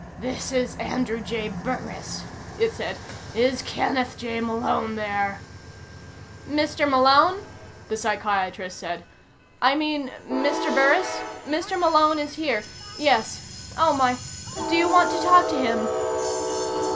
"This is Andrew J. Burris," it said. "Is Kenneth J. Malone there?" "Mr. Malone?" the psychiatrist said. "I mean, Mr. Burris? Mr. Malone is here. Yes. Oh, my. Do you want to talk to him?"